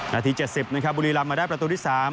นาที๗๐บุรีลำมาได้ประตูที่๓